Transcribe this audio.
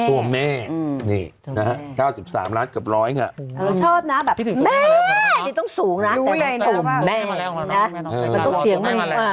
ตัวแม่นี่๙๓ล้านเกือบร้อยเนี่ยชอบนะแม่ต้องสูงนะตัวแม่